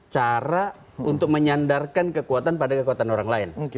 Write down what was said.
cara untuk menyandarkan kekuatan pada kekuatan orang lain